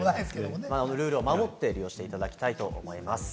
ルールを守って利用していただきたいと思います。